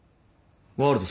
『ワールド』